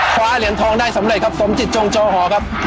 คว้าเหรียญทองได้สำเร็จครับสมจิตจงจอหอครับ